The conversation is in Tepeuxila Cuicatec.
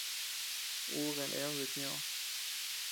Uu kanee ama duutu ñoʼo.